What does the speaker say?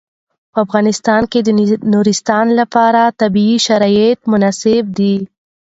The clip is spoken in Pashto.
په افغانستان کې د نورستان لپاره طبیعي شرایط مناسب دي.